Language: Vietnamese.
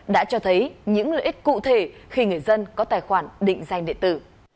đã cho thấy những lợi ích cụ thể khi người dân có tài khoản định danh điện tử